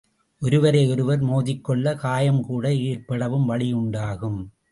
ஒருவரை ஒருவர் மோதிக்கொள்ள, காயம்கூட ஏற்படவும் வழியுண்டாகும்.